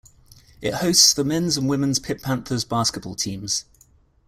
It hosts the men's and women's Pitt Panthers basketball teams.